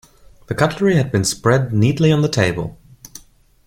The cutlery had been spread neatly on the table.